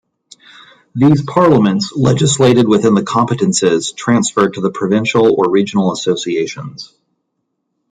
These parliaments legislated within the competences transferred to the provincial or regional associations.